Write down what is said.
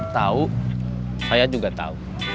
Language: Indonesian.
tau saya juga tau